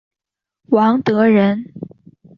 王德人。